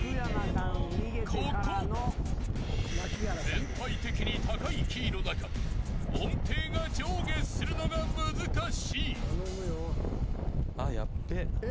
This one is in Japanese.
［全体的に高いキーの中音程が上下するのが難しい］